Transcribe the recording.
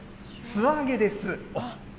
素揚げです。